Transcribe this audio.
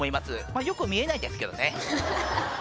まあよく見えないんですけどね